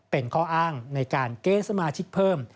เป็นข้ออ้างในการเกณฑ์สมาชิกเพิ่ม